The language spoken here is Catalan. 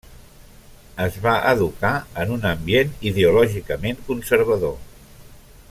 Es va educar en un ambient ideològicament conservador.